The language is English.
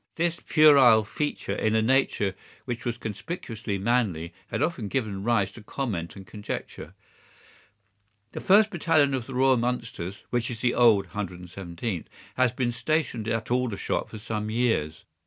This puerile feature in a nature which was conspicuously manly had often given rise to comment and conjecture. "The first battalion of the Royal Mallows (which is the old 117th) has been stationed at Aldershot for some years.